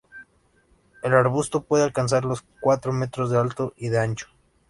El arbusto puede alcanzar los cuatro metros de alto y de ancho.